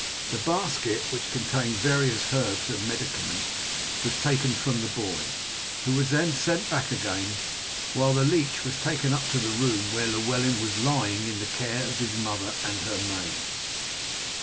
The basket, which contained various herbs and medicaments, was taken from the boy, who was then sent back again, while the leech was taken up to the room where Llewellyn was lying, in the care of his mother and her maids.